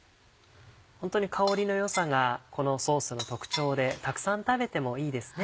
ホントに香りの良さがこのソースの特徴でたくさん食べてもいいですね。